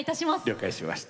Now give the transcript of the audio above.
了解しました。